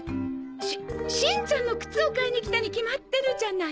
ししんちゃんの靴を買いに来たに決まってるじゃない。